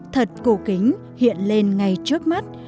thật cổ kính hiện lên ngay trước mắt